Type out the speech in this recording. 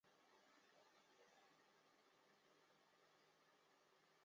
此时埋藏在山上的日军炮火又开始痛击经过山下的一批美军大队。